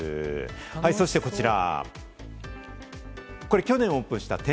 はい、そしてこちら。